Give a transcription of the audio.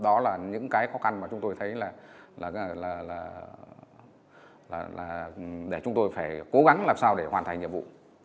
đó là những cái khó khăn mà chúng tôi thấy là để chúng tôi phải cố gắng làm sao để hoàn thành nhiệm vụ